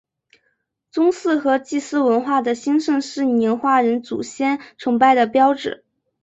宗祠和祭祀文化的兴盛是宁化人祖先崇拜的标志。